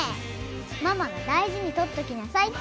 ママが大事に取っときなさいって。